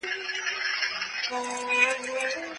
په فضا کې د ستورو رنګونه مختلف وي.